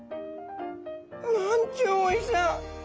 なんちゅうおいしさ。